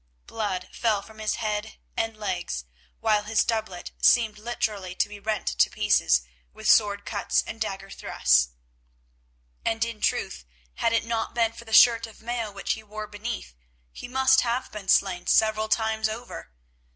Blood fell from his head and legs, while his doublet seemed literally to be rent to pieces with sword cuts and dagger thrusts; and in truth had it not been for the shirt of mail which he wore beneath, he must have been slain several times over.